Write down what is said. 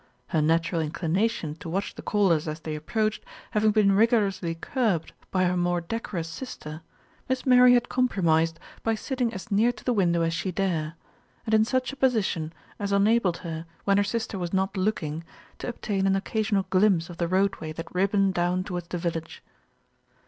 Her natural inclination to watch the callers as they approached, having been rigorously curbed by her more decorous sister, Miss Mary had compromised by sitting as near to the window as she dare, and in such a position as enabled her, when her sister was not looking, to obtain an occasional glimpse of the roadway that rib boned down towards the village.